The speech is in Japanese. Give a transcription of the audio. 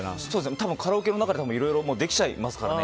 多分、カラオケの中でいろいろできちゃいますからね。